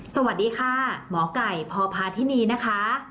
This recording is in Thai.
สวัสดีค่ะหมอไก่พพาธินีนะคะ